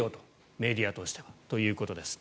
メディアとしてはということです。